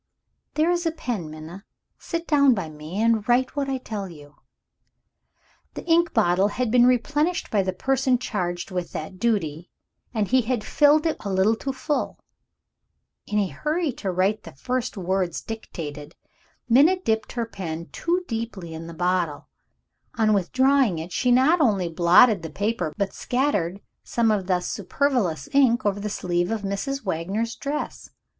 "There is a pen, Minna. Sit down by me, and write what I tell you." The ink bottle had been replenished by the person charged with that duty; and he had filled it a little too full. In a hurry to write the first words dictated, Minna dipped her pen too deeply in the bottle. On withdrawing it she not only blotted the paper but scattered some of the superfluous ink over the sleeve of Mrs. Wagner's dress.